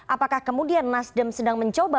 apakah kemudian nasdem sedang mencoba